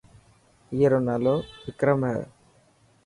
اي رو نالو وڪرم هي.